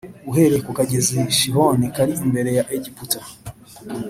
uhereye ku kagezi Shihori kari imbere ya Egiputa